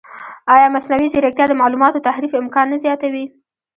ایا مصنوعي ځیرکتیا د معلوماتو تحریف امکان نه زیاتوي؟